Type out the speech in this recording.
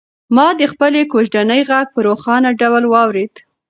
ما د خپلې کوژدنې غږ په روښانه ډول واورېد.